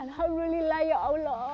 alhamdulillah ya allah